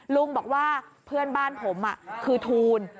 ลุงบอกว่าเพื่อนบ้านผมคือทูล